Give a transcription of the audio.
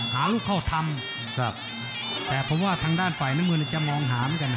หาลูกเข้าทำครับแต่ผมว่าทางด้านฝ่ายน้ำเงินจะมองหาเหมือนกัน